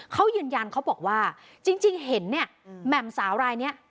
เขายืนยันเขาบอกว่าจริงเห็นเนี่ยแหม่มสาวรายนี้